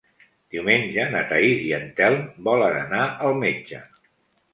Diumenge na Thaís i en Telm volen anar al metge.